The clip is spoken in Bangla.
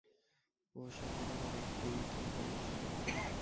ওহ, সে তো তোকে দেখতেই তোর পায়ে এসে পরবে।